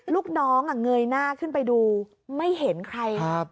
ลูกน้องเงยหน้าขึ้นไปดูไม่เห็นใครครับ